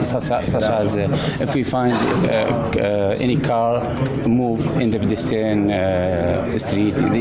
misalnya kalau kita menemukan masalah di luar